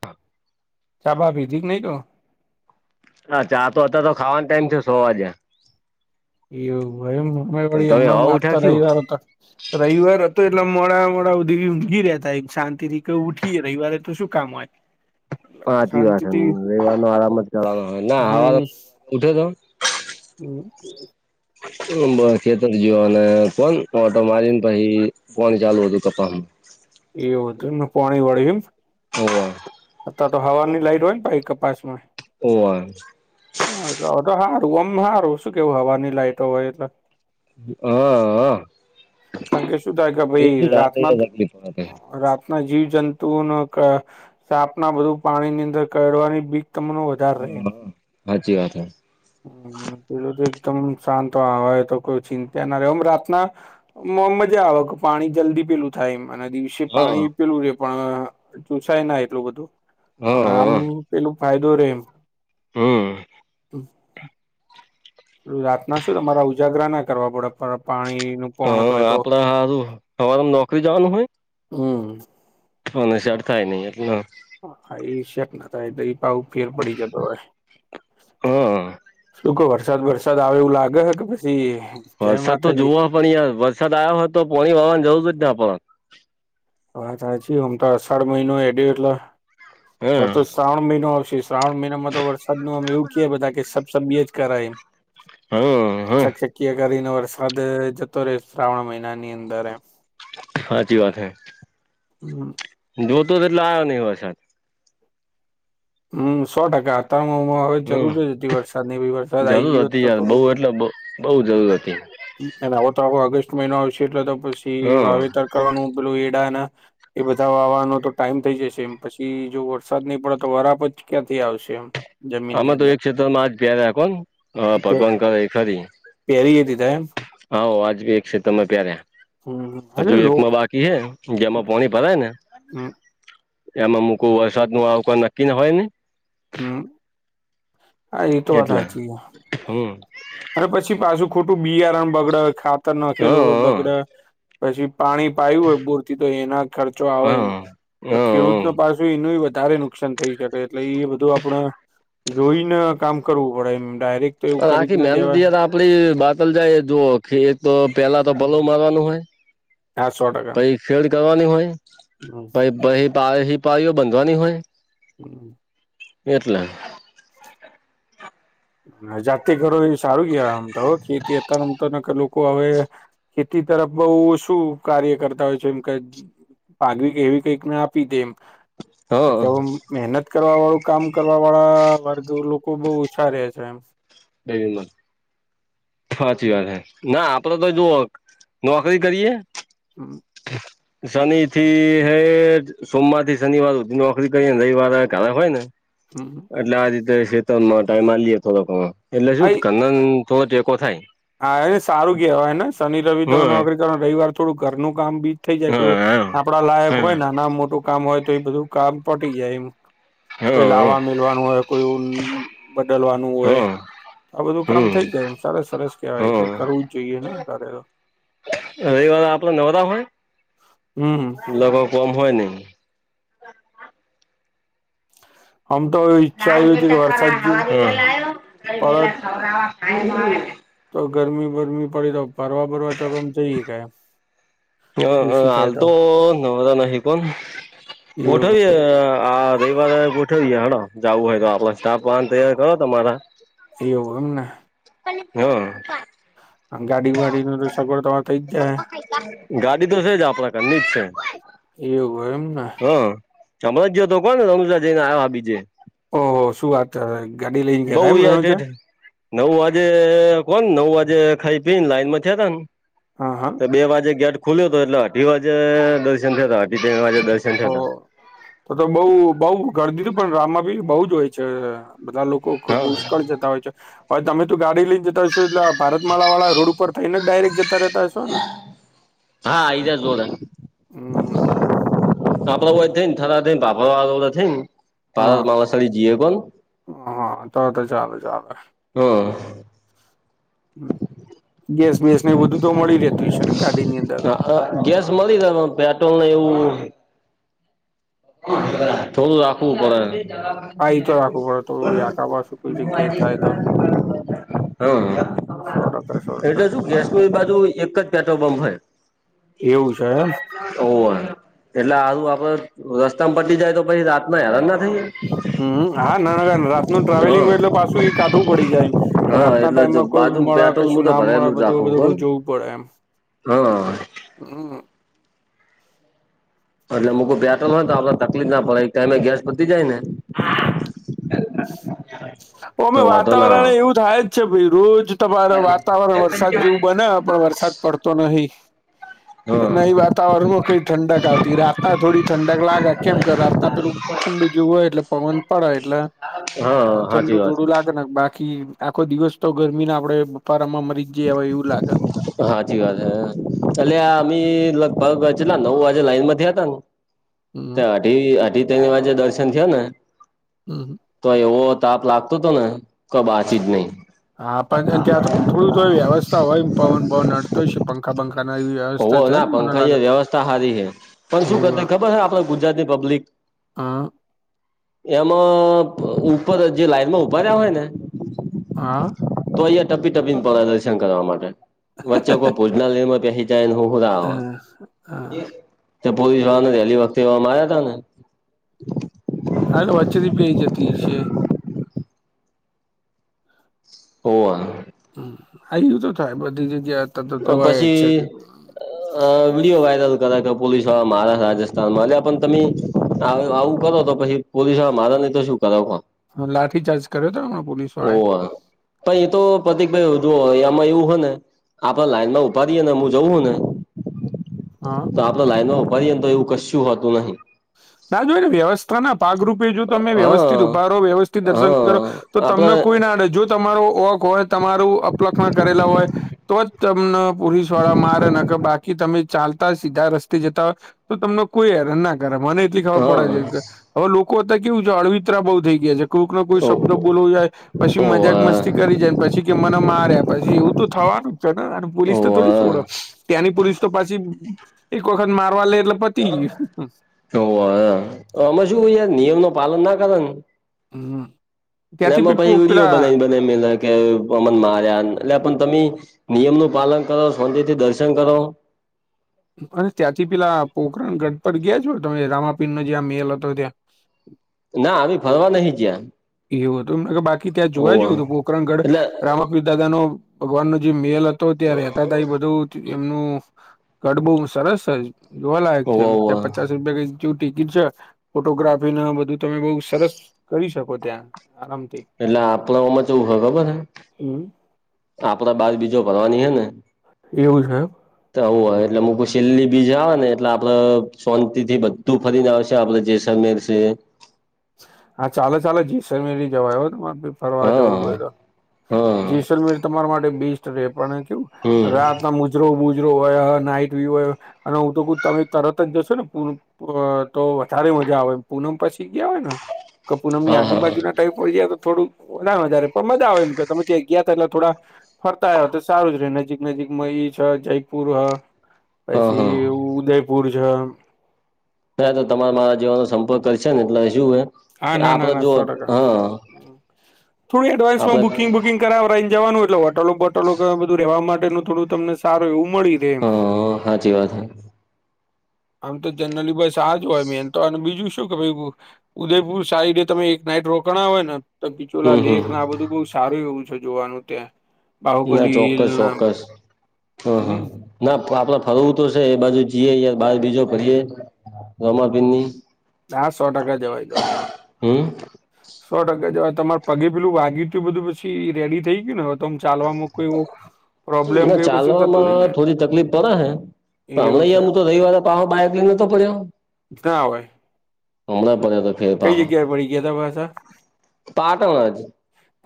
પપ [unintelligible] ચા ભા ભીજીક નહીં તો. હા ચા તો અ હતા તો ખાવાનો ટાઈમ છે સો વાગ્યા. એવુંયમે પણ વળી તમે હવા હમણાં હ ઉઠ્યા વાચતા શું રહી વા હતા. રવિવાર હતો એટલા મોડા મોડા ઉ દે ઊઘી રતા એમ શાંતિથી કવ ઉઠીય રવિવારે તો શું કામ હોય. [inaudible] પાચી વાત શાંતિથી રવાનો આરામ જ કરવાનો હો ના હવા ઉઠે તો. હમ બ ખેતર જયો અને કોણ મોટ મારીને પછી કોણ ચાલુ હતું કપાસ એવત પોણી વળીવીમ હ અ તો હવાની લાઈટ હોય ને ભાઈ કપાસમા ઓ હ હા તો હારું અમ સારું શું કેવું હવાની લાઈટો હોય એટલે હા હ કારણ કે શું થાય કે ભાઈ રાતના બિલકુલ આ રાત ના જીવ જંતુઓ ન સ્થાપના બધું પાણી ની અંદર કવાની બ તમ ન વધાર ર સાાચી વાત હ પેલું તો એકદમ શાંત હોય, તો કોઈ ચિંતા ના રમ રાતના મજા આવે કે પાણી જલ્દી પેલું થાય એમના દિવસે હા પાણી પેલું રે પણ જોુસાય ના એટલું બધું હા પણ આમ હા પેલું ફાયદો રે એમ હમ તો રાત ના શું તમારા ઉજાગરા ના કરવા પડે પણ પાણીનુ હ આપડ હારું અમારે નોકરી જવાનું હોય. હમ શ થાય નહી એટ. હ આ શકના તો પાાવ ફેર પડી જતો હોય હા શું કહ વરસાદ વરસે સદાવ એવું લાગે કે પછી. જય વરસાદ તો માતાજી જોવ પણ યાર વરસાદ આવ્યો હોય, તો પોણી વારવાનું જવું જ જ પણ વા જાણે છી હમ તો અષાઢ મહિનો એડ એટલા હા હતો. શ્રાવણ મહિનો આવશે શ્રાવણ મહિનામાં તો વરસાદ ન અમે એવું કીએ બધા કે સબ સબી જ કરાયમ હા હા ચકચક કરીને વરસાદ જતો રહે શ્રાવણ મહિના ની અંદર એમ સાચી વાત હૈ હમ જોતો તો એટલે આવ્યો નહિ હોય, સાથે હમ સો ટકા વાતાવમાં હવે હમ જરૂર જ હતી વરસાદ ની વરસાદ આવી જરૂર ગયોત હતી તો યાર થોડુ. બઉ એટલે બઉ જરૂર હતી આવો તોો ઓગસ્ટ મહિનો આવશે એટલે તો પછી હમ વાવેતર કરવાનું પેલું એડાના એ બધા વાવાનો તો ટાઈમ થઈ જશે એમ પછી જો વરસાદ નહી, પડે તો વરાપછ ક્યાંથી આવશે એમ જમીનની આમાં તો અંદર એક ક્ષેત્ર માં ધ્યાન રાખો ને હ ભગવાન કરે ખરી પેરી આવો આજી એક છે તમે પ્યારે હમ હજુ એટલે લો એકમાં બાકી કેય જમા પાણી ભરાય ને હમ એમાં મુંકુ વરસાદ નું આવ કોઈ નક્કી હોય, ને હમ હા એ તો વાત એટલે હાચી. હમ અને પછી પાછું ખોટું બિયારણ બગડે ખાતર હા નાખેલું હો બગડે પછી પાણી પાયું હોય, બોરથી તો એના ખર્ચો આવે એ હા તો હમ ખેડૂતો પાછું એનું એ વધારે નુકસાન થઈ શકે એટલે એ બધ બ આપણા જોઈને કામ કરવું પડે એમ ડાયરેક્ટ તો એવું કરી આખી જ ના મહેનત દેવાય યાર આપડી બાતલ જાય જુઓ કે તો પેલા તો ભલો મારવાનું હોય. હા સો ટકા શેડ કરવાની હોય, પઇ ભાઈ પાડે થી પાળીઓ બાંધવાની હોય. [inaudible] એટલે ને જાતે કરો એ સારું કેવાય આમ તો, ખેતી એ કામ કરને કરલું. કો હવે ખેતી તરફ બહું શું કાર્ય કરતા હોય છે એમકે ગી પાગવી કે એવી કંઈક ના આપી દે એમ હ કારણકે આમ મહેનત કરવા વાળું કામ કરવા વાળા વર્ગ લોકો બહું ઓછા રહે. જેમ ડેરીમા, હાચી વાત હે. ના આપડે તો જોવો, નોકરી કરીયે. હમ્મ શનીથી હેઠ સોમવાર થી શનિવાર હુંધી નોકરી કરીયે, ને રવિવાર ધારે હોય ને. હમ એટલે આ રીતે શેતનમાં ટાઈમ આલિએ થોડોક ઘણો, એટલે શું આઈ ધરનો હુ થોડો તેકો થાય. હા એને સારું કેવાયને, શનિ રવિ તમે હમ નોકરી કરો રવિવાર થોડું ઘરનું કામ બી. થઈ જાય કો, હમ હમ આપડા લાયક હોય ને નાના મોટું કામ હોય તો એ બધું કામ પટી જાય એમ. કોઈ હમ લાવા મીલવાનું હોય, કોઈ બદલવાનું હોય. હમ આ બધું કામ હમ થઈ જાય, એમ સરસ સરસ કેહેવાય તો હમ કરવું જ જોઈએ ને ઘરે ઓ. રવિવાર આપડે નવરા હોય. હમ્મ લવો કોમ હોય ન. હમ તોઈ પડત [unintelligible] તો ગરમી બરમી પડી તો, ફરવા ભરવા ચોક આમ જઈએ કાયે. ત્યોં અ હાલતો નવરા નહી, પણ ગોઠવીએ એવું આ આ રવિવારે ગોઠવીએ હાલો, જાવું હોય તો, આપડે સ્ટાફ વાન તૈયાર કરો તમારા. ફેવરુના હા આમ ગાડી વાડી નુ તો સગવડ તમાર થઇજ જાહે. ગાડી તો છે જ આપડા ઘરની અવુ એમને. હા, અમણાં જ ગયો તો કોન રણુજા જઈને આવ્યો બીજે ઓહો! શું વાત કરે, ગાડી લઈને ગયા બઉ હતા એમ યાર રણુજા. ઠેઠ નવ વાજે, કોણ નવ વાજે ખાઈ પીને લાઈન માં થયાતા ન. હા હા બે વાજે ગેટ ખુલ્યો તો, એટલે અઢી વાજે દર્શન થયાતા અઢી બે વાજે દર્શન ઓ થયાતા. તો તો બઉ બઉ ગરદી તુ પણ, રામાંબી બઉજ હોય છે, બધા લોકો હતા કોસ હા કળ જતા હોય છે, તમે તું ગાડી લઈને જતા હોયશો એટલે ભારતમાળા વાળા રોડ ઉપર થઈ ને ડાયરેક્ટ જ હા ઇજ ગોરા હમ કાપડા બથીન થારા દીન બાપા થીન બાળર હા મા સાડી જીએ કોણ હા તો તો ચાલૂઝ ચલે હા હ ગેસ બેેસ ને બધું તો મળી રહેેતું હોય શે ને ગાડીની અંદર. હ હા ગેસ મળી જાય પણ પેટ્રોલ એવું થોડું રાખવું હા એ તો પડે. રાખવું પડે થોડું આકાબાસું કોઈ વા જગ્યાએ થાય તો હમ સો ટકા સો ટકા એટલે શું ગેસ નું એ બાજુ એક જ પેટ્રોલ પં્પ હોય. એવું છે એમ [unintelligible] તો આ, એટલે આારું આપડે રસ્તામાં પટી જાય તો પછી રાત ના હેરાન ના થાઈયે. હમ હા ના ના, રાતનુ ટ્રાવેલિંગ હા હોય એટલે પાછું એ કાઠું પડી જાય એમ. ક હા રાતના એટલે ટાઈમમાં કોઈ બાજુ મળા કે પેટ્રોલ હું શું તો ના મળે ભરાયેલું જ બધું રાખું કોણ બધુંઈ જોવું પડે એમ. હા હમ એટલે મોગું બેઠ ન હોય તો આપડે તકલીફ ના પડે એક ટાઈમે ગેસ પતી જાય ને હમ હ ઓ અમે વાતાવરણ એવું થાય જ છે ભાઈ રોજ તમારે વાતાવરણ વરસાદ જેવું બને પણ વરસાદ. પડતો નહી. આવે. ન એ વાતાવરણમાં કઈ ઠંડક આવતી રાતના થોડી ઠંડક લાગે કેમ કર રાતના પેલું. ઠંડુ જોવું હોય એટલે પવન પડે એટલે હા ઠંડુ હાચી વાત હે. જોડું લાગે ને બાકી આખો દિવસ તો ગરમી ના આપડે બપારામાં મરી. જે હવે એવું લાગે સાચી વાત હે એટલે અમે લગભગ છેલ્લા નવ વાગે લાઈન થી હતા ને હમ તે અઢી અઢી તેની વાે દર્શન થયો ને હમ હ તો એવો તાપ લાગતો હતો ને ક બાચી જ નહી. હા પણ ત્યાં તો પણ થોડી થય વ્યવસ્થા હોય પવન ભવનડ તો છે પંખા બંખા ન એવી હોવ વ્યવસ્થા છે ના ને મને પંખાએ લાગે. વ્યવસ્થા હારી હે પણ શું કરતા એવું ખબર હ આપડ ગુજરાતની પબ્લિક આ એમાં ઉપર જે લાાઈનમાં ઉભા ર્યા હોય ને હા તો અહીયા ટપી ટપીને પ્રદર્શન કરવા માટે વચ્ચે કોઈ ભુજના લનમાં પ જને હુંું હા હા પોલીસ વાને વહેલી વખતે એવા માર્યા હતા ને હાલે વચ્ચેથી પઈ જતી છે. ઓવા હ આું તો થાય બધી જગ્યા. તો થવાય જ છે પછી. અ વિડિયો વાયરલ કર પોલીસ વાળા મહારાષ્ર રાજસ્થાનમાં પણ તમે આવું કરો તો પછી પોલીસ વાળા મારે નહી તો શું કરાવ. હ લાઠીચાર્જ કર્યો હતોમ પોલીસ. ઓ વાળાએ તો એ તો પતિક ભાઈ જો એમાં એવું હો ને આપે લાઈન માં ઉપાડીએે ને હું જવું ને હા તો આપડ લાઈનમાં ઉપાડીએ તો એવું કશું હોતું નહી. ના જો ને વ્યવસ્થા ના ભાગરૂપ તમે હા વ્યવસ્થિત ઉભા રો વ્યવસ્થિત દર્શન કરો હા તો આપડે તમને કોઈ ના આડે જો તમારું ઓક હોય તમારું અપલક્ષ્ન કરેલા હોય તો જ તમને પોલીસ વાળા મારે નાખ બાકી તમે ચાલતા સીધા રસ્તે જતા હોય તો તમને કોઈ હેરાન ના મને એટલી ખબર હા પડે છે. કે હવે લોકો અત્યારે કેવું છે. અળવિતરા બહુ થઈ ગયા છે. કોઈક ના કોઈ ઓવ શબ્દ બોલો જાય પછી ઓવ મજાક મસ્તી કરી જાય પછી કે મને માર્યા પછી એવું તો થવાનું પોલીસ તો ઓવ થોડી છોડો ત્યાંની પોલીસ તો પાછી એક વખત મારવા લે એટલે પતિ ગયું. ઓ અમે શું યાર નિયમ ન પાલન ના કરે હમ એ ત્યાંથી એમાં બી પો પછી વિડીયો પેલા બનાવી બને કે મમન માર્યા એટલે પણ તમે નિયમ નું પાલન કરો શાંતીથી દર્શન કરો. અને ત્યાંથી પેલા પોખરાણ ગઢ પર ગયા છો. તમે રામાપીર. જ્યાં મેલ હતો ત્યાં ના આવી ફરવા નહિ જયા. એવું હતું એમ બાકી ત્યાં જોવા જવું હતુ. પોકરણગઢ એટલે રામપ દાદા નો ભગવાનનોો જે મેલ હ તો ત્યાં રહેતા હતા એ બધું એમનું ગઢ બહ સરસ જ જોવા લાયક છે. હોવ એમ હોવ ત્યાં પચાસ ર જે ટિકિટ છે. ફોટોગ્રાફીને બધું તમે બઉ સરસ કરી શકો છો. એટલે આપણાઓમાં તોવું હ ખબર છે.? હમ આપડા બાદ બીજો ભરવાની હે ને? એવું છે.? તો આવું હોય એટલે હઈ સેલી બીજા આવે ને એટલે આપડે સોંતિ થી બધુ તું ફરી ના આવ છે. આપલા જેૈસાલમેર સે હા ચાલો ચાલો જીસમેરી જવા આવ તમા ફરવા જવું હોય હા તો હા જેસલમેર તમારા માટે બેસ્ટ રે પણ કેવું? હમ રહતા મુછ જરો બુજરો હોય નાઈટ વ્યુહ હોય અને હું તો તમે તરત જ જશો ને પ તો વધારે મજા આવે પૂનમ પછી ગયા હોય ને કે પૂનમ ની હા હા આજુબાજુ ના ટ ગયા તો થોડું વધારે વધારે પણ મજા આવે એમ કે તમે ત્યાં ગયા હતા એટલે થોડા ફરતા આવ્યા હો તો સારું જ ર નજીક નજીકમાં ઈ છે. જયપુર હ હા હા પછી ઉદયપુર છે. હ તો તમારે મારા જીવાનો સંપર્ક કર છે. ને એટલે શું હ આપડ જો હા થોડી એડવાન્સમાં આપડે બુકિંગ બુકિંગ કર રહીને જવાનું એટલે હોટલો બોટલો બધું રહેવા માટેનું થોડું તમને સારું એવું મળી રે. હા સાાચી વાત હ. આમ તો જનરલી બસ આજ હોય મેન તો અને બીજું શું કે ભાઈ? ઉદયપુર સાારીડે તમે એક નાઈટ રોકાણ હોય ને તો બિચોલા હમ લેક આ બધું બ સારું એવું છે. જોવાનું ત્યાં. ના બાહુબલી હિલ ચોક્કસ ના ચોક્કસ હ બધું હા! હમ ના આપડે ફરવું તો છે. એ બાજુ જઈએ યાર બાર બીજો ફરીએે. જમા પિની હા સો ટકા જવાય જવાય હમ [unintelligible] સો ટકા જેવાય તમારે પગે પેલું વાગી તયું બધું પછી રેડી થઈ ગયું ને? તોમ ચાલવાવામાં કઈ પ્રોબ્લેમ ના કું કશું થતું ચાલવામાં નહીં ને? એવું છે હમણાંયા હું તો રહી વા પા બાાયક લઈનેતો પડ્યો? ક હોય! હમણા પર તો ફેર કઈ પાહો જગ્યાએ પડી ગયા તા પાછા પાટણ જ.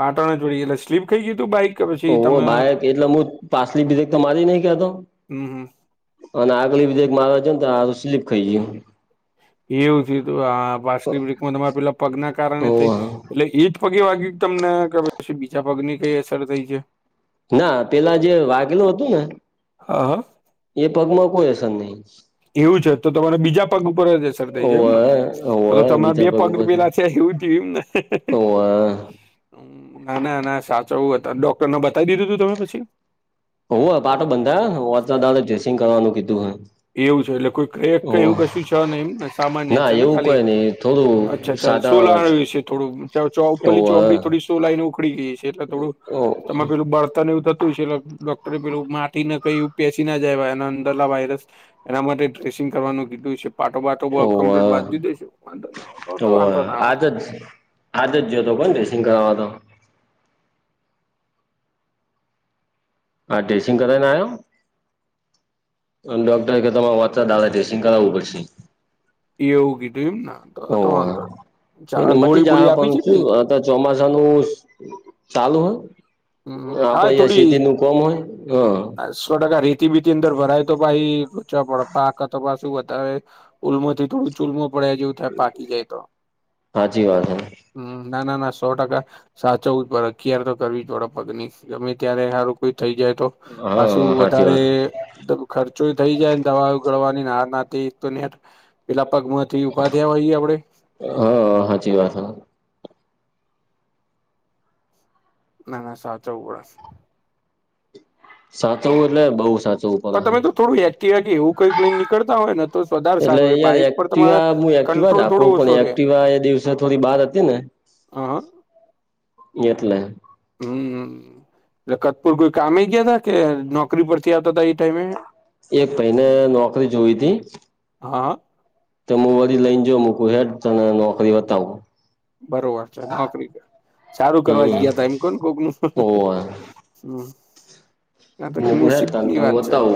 પાટણ જોડી એટ સ્લીપ ખઈ ગયું બાઈક? કે ઓ પછી તમે ભાઈ એટલે હું પાછલી ભેક તો મારી નહી કેતો? હમ હમ અને આગળ બીધા એક મારવા જ ને તોરું સ્લીપ ખાઈ ગયું. એવું છે પાસની બ્રેકમાં તમારા પેલા પગ ના કારણે ઓહ થયુ. એટલે એ જ પગે વાગ્યું તમને કે પી બીજા પગની કઈ અસર થઈ છે.? ના પેલા જે વાઘેલૂ હતું ને? હા હા એ પગમાં કોઈ અસર નહી. એવું છે તો તમારે બીજા પગ ઉપર જ અસર થઈ જાય એમ ઓવે ને તો ઓવે તમારે બે બીજા પગ ઉપર થી પેલા છે એવું જોયું એમ ને ઓવે ના ના ના સાચવું હતા ડોક્ટરને બતાવી દીધું તું તમે પછી? હ પાટો બંધાયોનેત ડ્રેસિંગ કરવાનું કીધું હ એવું છે એટલે કોઈ ક એવું કશું છે ને એમને સામાન્ય ના છે ને, એવું ખાલી કઈ નહી અચ્છા થોડું અચ્છા શું સાધારણ જ લાય છે થોડુ ઉપરલી ઓવે ચોમડી થોડી શુંલાય ને ઉખડી ગઈ છે, એટલે થોડું ઓ તમામાં પેલું બળતન એવું થુંય છે, એટલે ડોક્ટરે પેલું માટીથી ના કઈ પેેશસી ના જાય એના અંદર લ વાયરસ એના માટે ડ્રેસિંગ કરવાનું કીધું છે. પાટો બાટો ઓવે કમપ્લીટ વાંધ દી દઈશું વાંધ નતો વાંધો નાવે. બ છે [unintelligible] હાજ જ જોયોતો હતો પણ ડ્રેસિંગ કરાવવા તો. હા ડ્રેસિંગ કરાના આયો.. ડોક્ટર કે તમારે વાચતા દાદા ટેસ્ટિંગ કરાવવું પડશે. એવ કીધું એમ ને તો ઓ તો વાંધો નઈ. ચા એટલે ગોળી મતી જાહ બોળી આપી પણ છે કઈ શું ચોમાસા નું ચાલુ હોય. હમ હા આપડે અહં થોડી શેતી નું કોમ હોય હ સો ટકા રેતી બીતી અંદર ભરાય તો ભાઈ રચા પડ પાક તો શું વધારે ઉલ્મોથી થોડું ચુલમો પડ્યા જેવું થાય પાકી જાય તો હાચી વાત હે હમ ના ના ના સો ટકા સાચવ જ પ અખિયાર તો કરવી જ પડે પગની ગમે ત્યારે સારું કોઈ થઈ જાય, તો પાછું હા હાચી વધારે વાત ખર્ચો થઈ જાય ને દવા ઉગડવાની ના ના તો પેલા પગ તો ઉપાધ્યાવા હોઈએ આપણે હા સાચી વાત હ ના ના સાચા ઉડસ સાચવ એટલે બઉ સાચુ પણ તમે તો થોડું એક્ટવા એવું કંઈ કઈ નીકળતા હોયને તો વધાર એટલે સારું રે યાર બાઈક પર તમારે એક્ટિવા જ કંટ્રોલ થોડો હાકું ઓછો પણ રે એક્ટિવા એ દિવસે થોડી બાર હતી ને હા હ એટલે હમ હ ખતપુર કોઈ કામમે ગયા તા કે નોકરી પરથી આવતા હતાા એ ટાઈમે એક મહિને નોકરી જોવી હતી. હા. તો હું વરી લઈને જો મકું હેઠ તને નોકરી બતાવુ બરોબર છે નોકરી સારું કરવા જ હમ ગયા ત એમ કોણ કોક નું ઓવે હમ હું હેાર ત તમે બતાવ